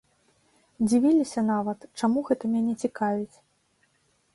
Дзівіліся нават, чаму гэта мяне цікавіць.